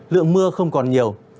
lượng mưa không còn nhiều